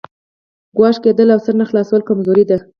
ګوښه کېدل او سر نه خلاصول کمزوري ده.